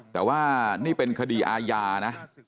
แต่ว่านี่เป็นคดีอาญานะ